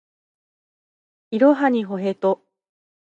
いろはにほへと